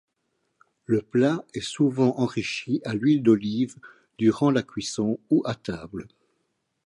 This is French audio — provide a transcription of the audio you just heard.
Le plat est souvent enrichi à l'huile d'olive, durant la cuisson ou à table.